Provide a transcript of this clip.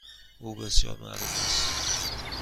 او بسیار معروف است.